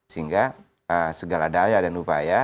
sehingga segala daya dan upaya